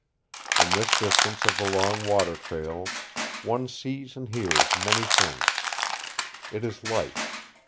In this distance of the long water trail one sees and hears many things. It is life.